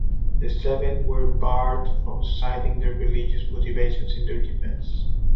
The seven were barred from citing their religious motivations in their defense.